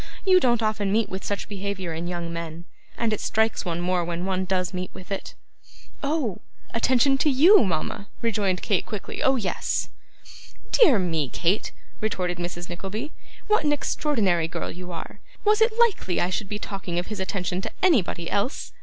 You don't often meet with such behaviour in young men, and it strikes one more when one does meet with it.' 'Oh! attention to YOU, mama,' rejoined Kate quickly 'oh yes.' 'Dear me, Kate,' retorted Mrs. Nickleby, 'what an extraordinary girl you are! Was it likely I should be talking of his attention to anybody else?